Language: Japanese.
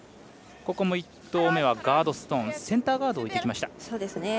ここも１投目はガードストーンセンターガードを置いてきました。